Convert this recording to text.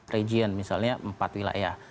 region misalnya empat wilayah